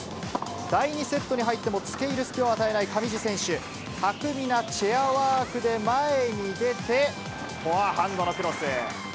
第２セットに入っても、つけいる隙を与えない上地選手、巧みなチェアワークで前に出て、フォアハンドのクロス。